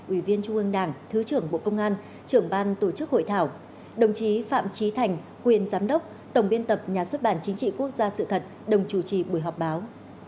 ủy viên trung ương đảng thứ trưởng bộ công an trưởng ban tổ chức hội thảo đồng chí phạm trí thành quyền giám đốc tổng biên tập nhà xuất bản chính trị quốc gia sự thật đồng chủ trì buổi họp báo